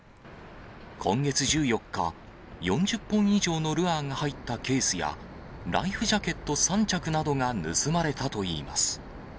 今月１４日、４０本以上のルアーが入ったケースや、ライフジャケット３着などが盗まれたといいます。